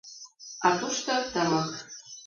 А тушто — тымык.